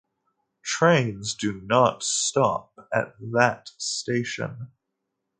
Trains do not stop at that station.